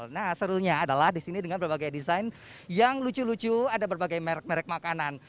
nah serunya adalah di sini dengan berbagai desain yang lucu lucu ada berbagai merek merek makanan